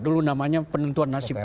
dulu namanya penentuan nasib